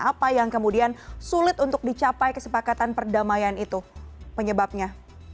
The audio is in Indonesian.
apa yang kemudian sulit untuk dicapai kesepakatan perdamaian itu penyebabnya